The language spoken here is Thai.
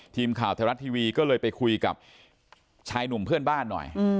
ทีมข่าวไทยรัฐทีวีก็เลยไปคุยกับชายหนุ่มเพื่อนบ้านหน่อย